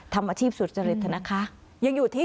ทำอาชีพสุจริตเถอะนะคะยังอยู่ที่